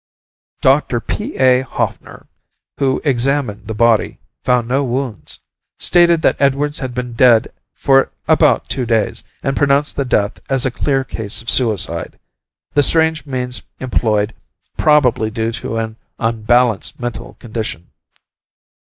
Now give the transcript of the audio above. Dr. P. A. Hofner, who examined the body, found no wounds, stated that Edwards had been dead for about two days, and pronounced the death as a clear case of suicide, the strange means employed probably due to an unbalanced mental condition.